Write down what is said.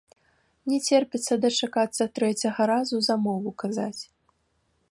Не церпіцца дачакацца трэцяга разу замову казаць.